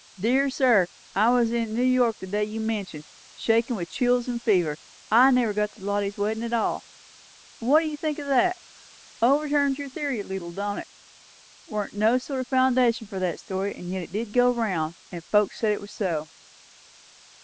Dear sir, I was in New York the day you mention, shakin' with chills and fever, and never got to Lottie's weddin' at all.' What do you think o' that? Overturns your theory a leetle, don't it? Warn't no sort o' foundation for that story; and yet it did go round, and folks said it was so."